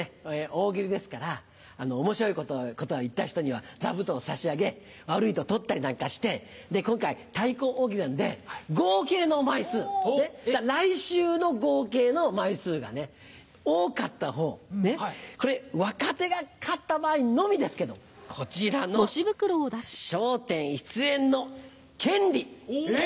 大喜利ですから面白いことを言った人には座布団を差し上げ悪いと取ったりなんかして今回対抗大喜利なんで合計の枚数来週の合計の枚数が多かったほうこれ若手が勝った場合のみですけどこちらの『笑点』出演の権利。え！